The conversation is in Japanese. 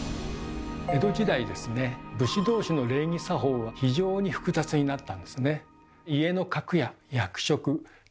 江戸時代ですね武士どうしの礼儀作法は非常に複雑になったんですね。